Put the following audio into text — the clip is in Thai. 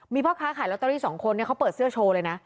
มีพ่อค้าขายลอตเตอรี่สองคนเขาเปิดเสื้อโชว์เลยนะ